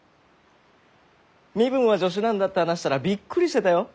身分は助手なんだって話したらびっくりしてたよ。